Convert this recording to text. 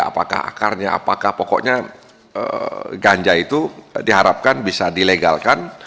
apakah akarnya apakah pokoknya ganja itu diharapkan bisa dilegalkan